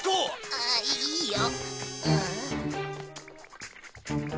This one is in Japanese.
ああいいよ。